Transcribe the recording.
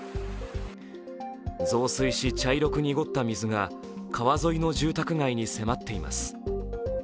増水し、茶色く濁った水が川沿いの住宅街に迫っています。